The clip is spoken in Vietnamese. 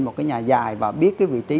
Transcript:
một cái nhà dài và biết cái vị trí